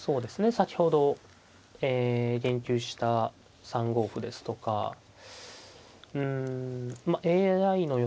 先ほど言及した３五歩ですとかうんまあＡＩの予想